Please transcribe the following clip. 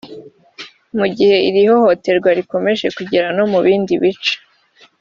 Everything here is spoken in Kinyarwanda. mu gihe iri hohoterwa rikomeje kugera no mu bindi bice